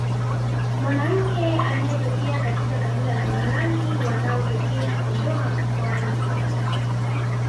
Mwanamke anayetokea katika kabila la Warangi wanaotokea Kondoa mkoani Dodoma